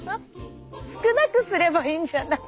少なくすればいいんじゃない？